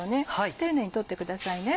丁寧に取ってくださいね。